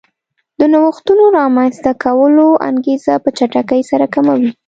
د نوښتونو رامنځته کولو انګېزه په چټکۍ سره کموي